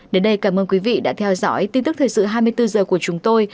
đến đây cảm ơn quý vị đã theo dõi tin tức thời sự hai mươi bốn h của chúng tôi